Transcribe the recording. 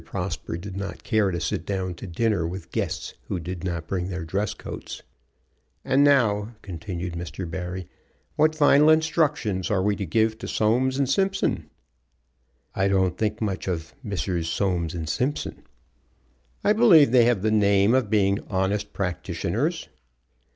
Prosper did not care to sit down to dinner with guests who did not bring their dress coats. "And now," continued Mr. Barry, "what final instructions are we to give to Soames & Simpson?" "I don't think much of Messrs. Soames & Simpson." "I believe they have the name of being honest practitioners."